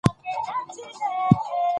په دې اړه څېړنه ډېره اړينه ده.